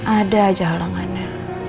ada aja halangannya